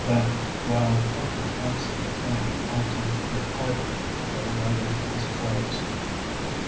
Then while, Parker taxied the plane out to mid harbor, Bill got into his clothes.